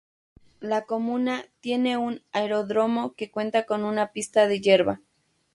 La comuna tiene un aeródromo que cuenta con una pista de hierba.